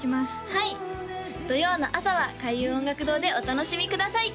はい土曜の朝は開運音楽堂でお楽しみくださいＰｉＸＭｉＸ